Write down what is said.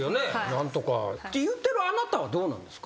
何とか。って言ってるあなたはどうなんですか？